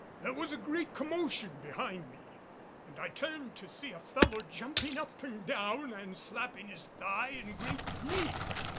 There was a great commotion behind me, and I turned to see a fellow jumping up and down and slapping his thigh in great glee.